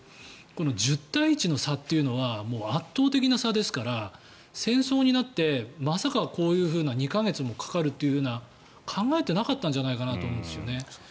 この１０対１の差というのは圧倒的な差ですから戦争になって、まさかこういうふうに２か月もかかるとは考えてなかったんじゃないかと思うんですよね。